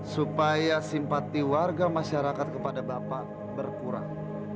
supaya simpati warga masyarakat kepada bapak berkurang